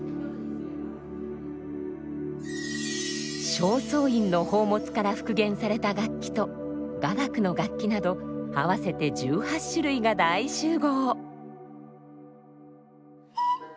正倉院の宝物から復元された楽器と雅楽の楽器など合わせて１８種類が大集合。